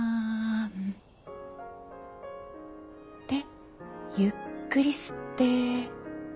でゆっくり吸って。